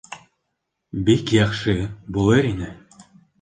Бик яҡшы булыр ине